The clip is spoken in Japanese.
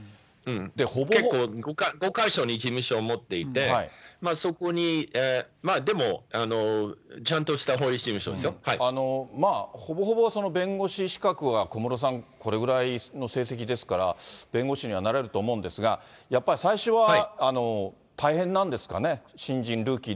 結構、５か所に事務所を持っていて、そこに、でも、まあ、ほぼほぼ弁護士資格は小室さん、これぐらいの成績ですから、弁護士にはなれると思うんですが、やっぱり最初は大変なんですかね？